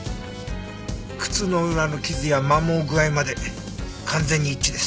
靴の裏の傷や摩耗具合まで完全に一致です。